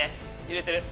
揺れてる。